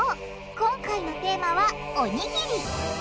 今回のテーマはおにぎり！